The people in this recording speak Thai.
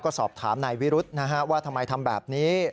ก็สอบถามนายวิรุธนะฮะว่าทำไมทำแบบนี้